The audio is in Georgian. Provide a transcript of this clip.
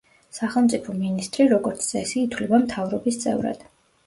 სახელმწიფო მინისტრი, როგორც წესი, ითვლება მთავრობის წევრად.